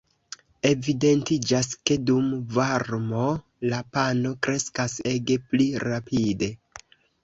Evidentiĝas ke dum varmo la "pano" kreskas ege pli rapide.